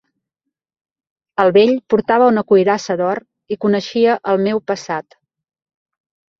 El vell portava una cuirassa d'or, i coneixia el meu passat.